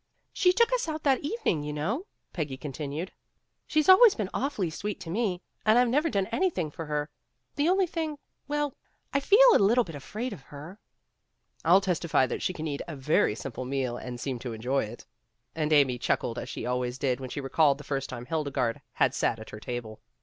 "She took us out that evening, you know," 188 PEGGY RAYMOND'S WAY Peggy continued. "She's always been awfully sweet to me and I've never done anything for her. The only thing well, I feel a little bit afraid of her." "I'll testify that she can eat a very simple meal and seem to enjoy it." And Amy chuc kled as she always did when she recalled the first time Hildegarde had sat at her table.